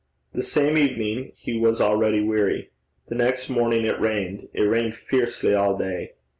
The same evening, he was already weary. The next morning it rained. It rained fiercely all day.